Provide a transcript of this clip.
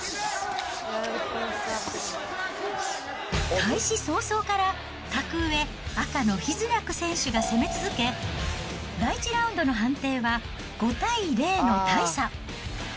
開始早々から、格上、赤のヒズニャク選手が攻め続け、第１ラウンドの判定は、５対０の大差。